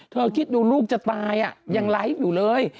คิดดูลูกจะตายยังไลฟ์อยู่เลย